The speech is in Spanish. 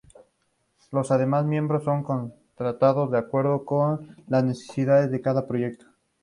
Los demás miembros son contratados de acuerdo con las necesidades de cada proyecto.